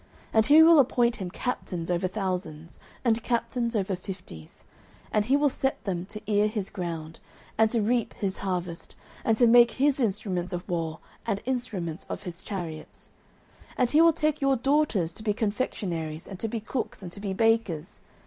09:008:012 And he will appoint him captains over thousands, and captains over fifties; and will set them to ear his ground, and to reap his harvest, and to make his instruments of war, and instruments of his chariots. 09:008:013 And he will take your daughters to be confectionaries, and to be cooks, and to be bakers.